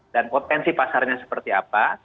dan potensi pasarnya seperti apa